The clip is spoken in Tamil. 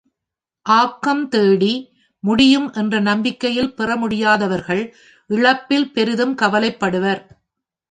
ஆக்கம் தேடி, முடியும் என்ற நம்பிக்கையில் பெறமுடியாதவர்கள் இழப்பில் பெரிதும் கவலைப்படுவர்.